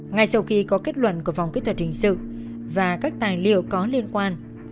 ngay sau khi có kết luận của phòng kỹ thuật hình sự và các tài liệu có liên quan